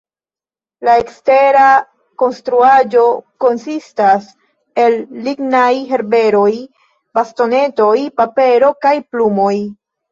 La ekstera konstruaĵo konsistas el lignaj herberoj, bastonetoj, papero kaj plumoj.